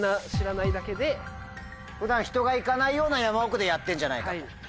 普段人が行かないような山奥でやってんじゃないかと。